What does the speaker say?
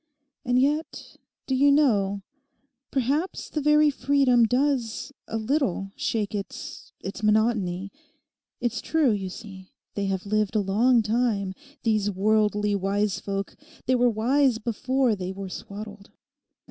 And yet, do you know, perhaps the very freedom does a little shake its—its monotony. It's true, you see, they have lived a long time; these Worldly Wisefolk they were wise before they were swaddled....